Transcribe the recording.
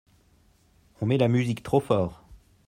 On met la musique trop fort.